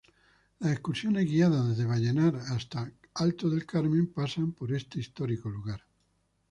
Las excursiones guiadas desde Vallenar hasta Alto del Carmen pasan por este histórico lugar.